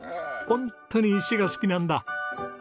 ホントに石が好きなんだ。